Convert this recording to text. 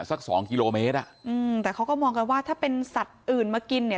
สักสองกิโลเมตรอ่ะอืมแต่เขาก็มองกันว่าถ้าเป็นสัตว์อื่นมากินเนี่ย